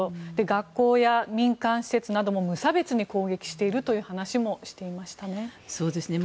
学校や民間施設なども無差別に攻撃しているという話もしていましたね。